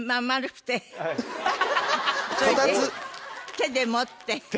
手で持って。